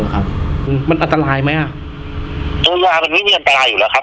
อ๋อครับมันอันตรายมั้ยะอันนี้มีอันตรายอยู่แล้วครับ